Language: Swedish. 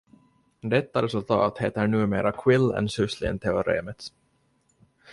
Detta resultat heter numera Quillen-Suslin-teoremet.